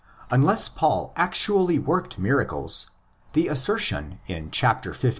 Unless Paul actually worked miracles, the assertion in xv.